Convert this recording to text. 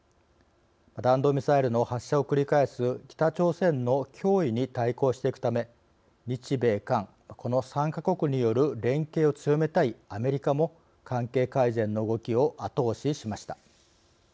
弾道ミサイルの発射を繰り返す北朝鮮の脅威に対抗していくため日米韓、この３か国による連携を強めたいアメリカも関係改善の動きを後押ししました。